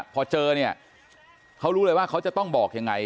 พอเจอเนี่ยเขารู้เลยว่าเขาจะต้องบอกยังไง